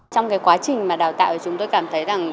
trong cái quá trình mà đào tạo thì chúng tôi cảm thấy rằng